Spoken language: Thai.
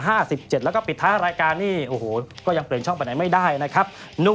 ข้ายเอาเสกสรรมาต่อยด้วยต้องมีสักครั้ง